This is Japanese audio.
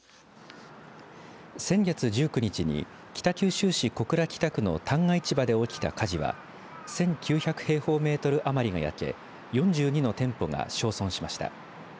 先月１９日に北九州市小倉北区の旦過市場で起きた火事は１９００平方メートル余りが焼け４２の店舗が焼損しました。